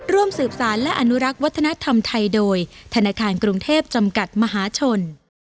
ร่วมสืบสารและอนุรักษ์วัฒนธรรมไทยโดยธนาคารกรุงเทพจำกัดมหาชน